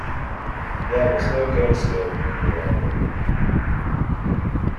There was no girls' school in the area.